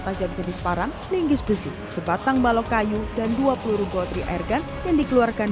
tajam jenis parang linggis besi sebatang balok kayu dan dua peluru gotri airgun yang dikeluarkan